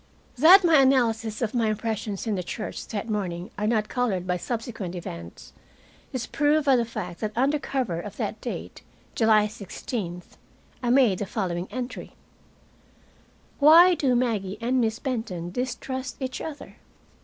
That my analysis of my impressions in the church that morning are not colored by subsequent events is proved by the fact that under cover of that date, July 16th, I made the following entry: "Why do Maggie and Miss Benton distrust each other?"